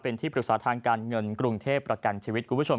เป็นที่ปรึกษาทางการเงินกรุงเทพฯประกันชีวิต